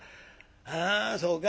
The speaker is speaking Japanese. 「あそうか。